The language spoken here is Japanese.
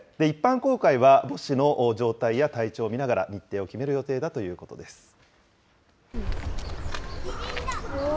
一般公開は、母子の状態や体調を見ながら、日程を決める予定だということです。